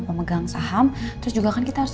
pemegang saham terus juga kan kita harus